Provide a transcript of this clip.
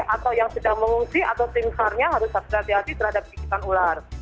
atau yang sedang mengungsi atau timsarnya harus berhati hati terhadap gigitan ular